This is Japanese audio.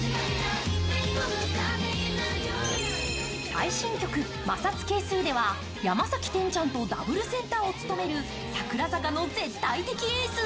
最新曲「摩擦係数」では山崎天ちゃんとダブルセンターを務める櫻坂の絶対的エース。